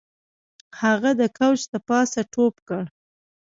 هغه د کوچ د پاسه ټوپ کړ